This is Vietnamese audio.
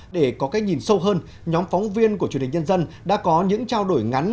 để có cách nhìn sâu hơn nhóm phóng viên của chủ tịch nhân dân đã có những trao đổi ngắn